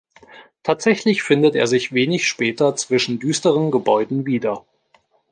Tatsächlich findet er sich wenig später zwischen düsteren Gebäuden wieder.